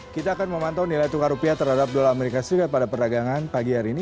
kita akan memantau nilai tukar rupiah terhadap dolar as pada perdagangan pagi hari ini